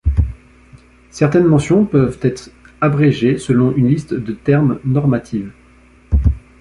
Certaines mentions peuvent être abrégées selon une liste de termes normative.